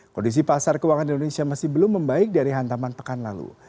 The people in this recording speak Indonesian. kondisi pasar keuangan indonesia masih belum membaik dari hantaman pekan lalu